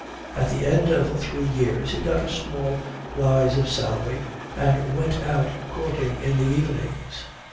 At the end of three years he got a small rise of salary and went out courting in the evenings.